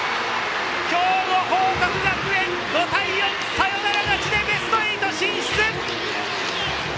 兵庫・報徳学園、５対４！サヨナラ勝ちでベスト８進出！